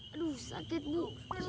aduh sakit bu